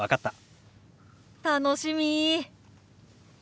楽しみ。